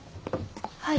はい。